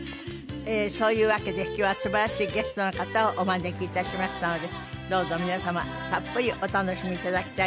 そういうわけで今日は素晴らしいゲストの方をお招きいたしましたのでどうぞ皆様たっぷりお楽しみいただきたいと思います。